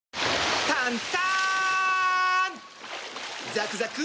ザクザク！